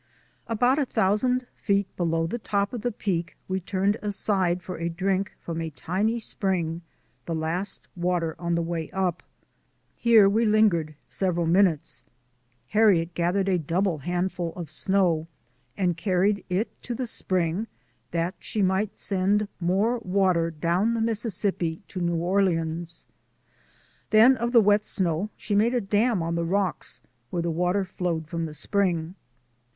About a thousand feet below the top of the Peak we turned aside for a drink from a tiny spring, the last water on the way up. Here we lingered several minutes. Harriet gathered a double handful of snow and carried it to the spring that she might send more water down the Mississippi to New Orleans. Then of the wet snow she made a dam on the rocks where the water flowed from the spring.